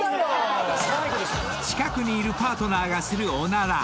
［近くにいるパートナーがするおなら。